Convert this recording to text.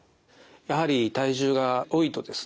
やはり体重が多いとですね